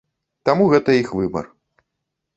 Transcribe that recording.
Таму гэта іх выбар.